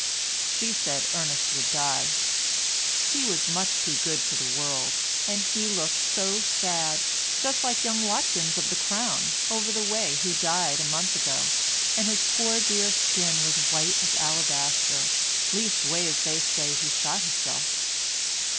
She said Ernest would die. He was much too good for the world and he looked so sad "just like young Watkins of the 'Crown' over the way who died a month ago, and his poor dear skin was white as alablaster; least ways they say he shot hisself.